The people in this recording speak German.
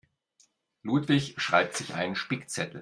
Ludwig schreibt sich einen Spickzettel.